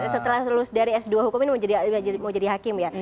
setelah lulus dari s dua hukum ini mau jadi hakim ya